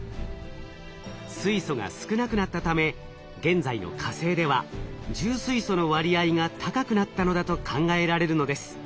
水素が少なくなったため現在の火星では重水素の割合が高くなったのだと考えられるのです。